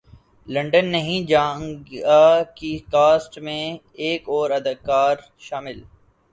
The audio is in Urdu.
لندن نہیں جاں گا کی کاسٹ میں ایک اور اداکار شامل